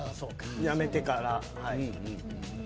やめてから。